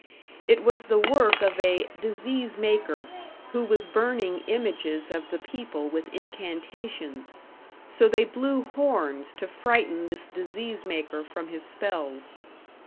It was the work of a "disease maker", who was burning images of the people with incantations; so they blew horns to frighten this disease maker from his spells.